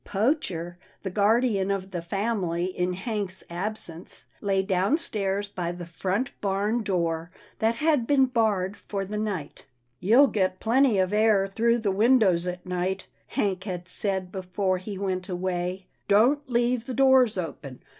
Poacher, the guardian of the family in Hank's absence, lay downstairs by the front barn door that had been barred for the night. " You'll get plenty of air through the windows at night," Hank had said before he went away. " Don't leave the doors open.